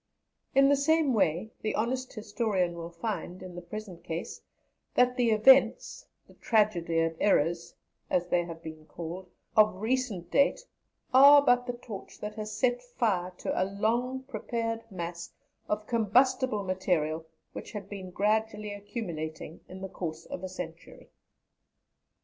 In the same way the honest historian will find, in the present case, that the events, the "tragedy of errors," as they have been called, of recent date, are but the torch that has set fire to a long prepared mass of combustible material which had been gradually accumulating in the course of a century.